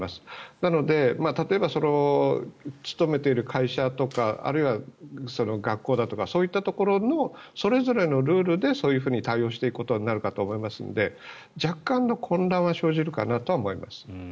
なので、例えば勤めている会社とかあるいは学校だとかそういったところのそれぞれのルールでそういうふうに対応していくことになるかと思いますので若干の混乱は生じるかなとは思います。